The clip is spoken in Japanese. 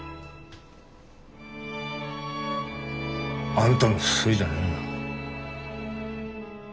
あんたのせいじゃねえよ。